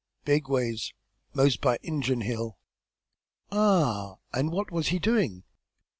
"Big ways. Most by Injun Hill." "Ah! and what was he doing?"